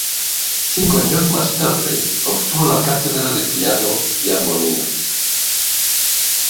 Cinco años más tarde, obtuvo la cátedra de piano y armonía.